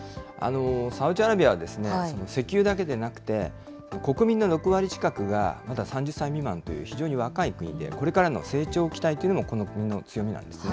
サウジアラビアは石油だけでなくて、国民の６割近くがまだ３０歳未満という、非常に若い国で、これからの成長期待というのもこの国の強みなんですね。